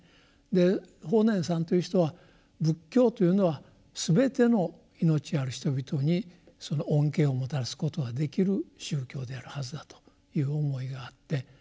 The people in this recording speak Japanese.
で法然さんという人は仏教というのは全ての命ある人々にその恩恵をもたらすことができる宗教であるはずだという思いがあって。